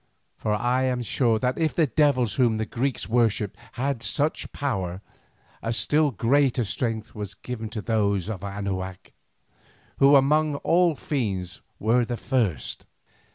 For I am sure that if the devils whom the Greeks worshipped had such power, a still greater strength was given to those of Anahuac, who among all fiends were the first.